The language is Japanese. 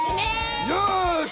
よし！